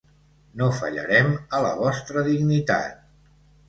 No fallarem a la vostra dignitat.